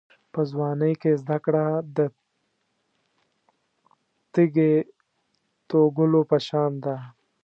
په ځوانۍ کې زده کړه د تېږې د توږلو په شان ده.